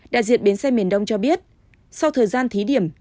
đại diện bến xe miền đông cho biết sau thời gian thí điểm